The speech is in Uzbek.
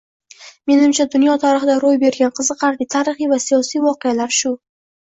Menimcha, dunyo tarixida roʻy bergan qiziqarli, tarixiy va siyosiy voqealar shu